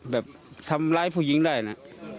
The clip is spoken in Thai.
แบบทำร้ายผู้หญิงได้นะ